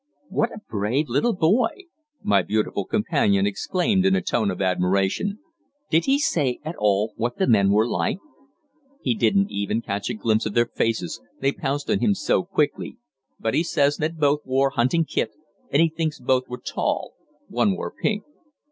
"What a brave little boy," my beautiful companion exclaimed in a tone of admiration. "Did he say at all what the men were like?" "He didn't catch even a glimpse of their faces, they pounced on him so quickly. But he says that both wore hunting kit, and he thinks both were tall. One wore pink."